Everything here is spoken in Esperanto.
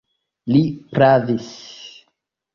Li pravis.